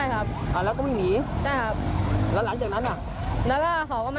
แล้วก็เขาก็มานั่งอยู่ตรงนี้แหละครับ